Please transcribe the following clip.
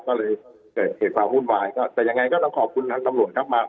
ก็เลยเห็นความหุ้นวายแต่ยังไงก็ต้องขอบคุณครับตำรวจครับ